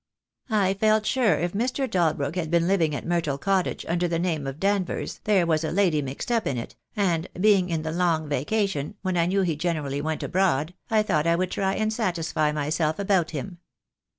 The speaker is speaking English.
"I felt sure if Mr. Dalbrook had been living at Myrtle Cottage under the name of Danvers there was a lady mixed up in it, and, being in the Long Vacation, when I knew he generally went abroad, I thought I would try and satisfy myself about him.